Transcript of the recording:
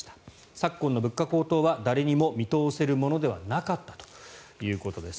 昨今の物価高騰は誰にも見通せるものではなかったということです。